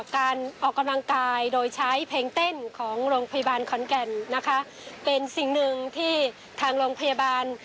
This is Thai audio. การออกกำลังกายโดยใช้เพลงเต้นของโรงพยาบาลขอนแก่นนะคะเป็นสิ่งหนึ่งที่ทางโรงพยาบาล